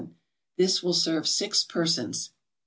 This will serve six persons.